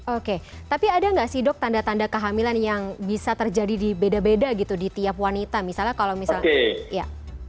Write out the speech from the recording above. oke tapi ada nggak sih dok tanda tanda kehamilan yang bisa terjadi di beda beda gitu di tiap wanita misalnya kalau misalnya ya